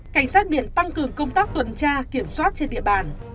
cảnh sát biển tăng cường công tác tuần tra kiểm soát trên địa bàn